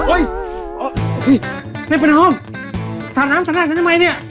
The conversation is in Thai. โอ้ยแม่ประนอมสาวน้ำสาวหน้าฉันทำไมเนี้ย